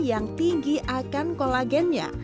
yang tinggi akan kolagennya